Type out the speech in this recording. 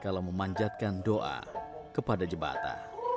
kalau memanjatkan doa kepada jebata